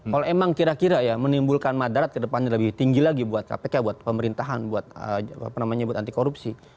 kalau emang kira kira ya menimbulkan madarat ke depannya lebih tinggi lagi buat kpk buat pemerintahan buat anti korupsi